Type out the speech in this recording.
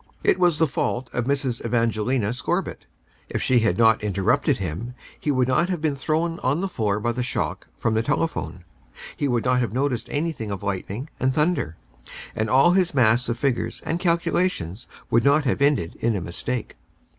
It was the fault of Mrs. Evangelina Scorbitt. If she had not interrupted him he would not have been thrown on the floor by the shock from the telephone. He would not have noticed anything of lightning and thunder, and all his mass of figures and calculations would not have ended in a mistake.